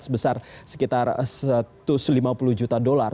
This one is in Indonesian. sebesar sekitar satu ratus lima puluh juta dolar